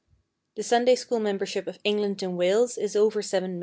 The Sunday School membership of England and Wales is over 7,000,000.